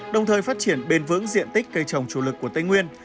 đồng thời phát triển bền vững diện tích cây trồng chủ lực của tây nguyên